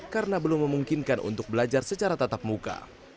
karena belum memungkinkan untuk belajar secara tatap muka